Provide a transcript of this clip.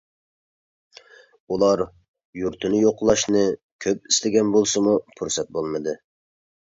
ئۇلار يۇرتىنى يوقلاشنى كۆپ ئىستىگەن بولسىمۇ پۇرسەت بولمىدى.